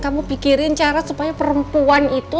kamu pikirin cara supaya perempuan itu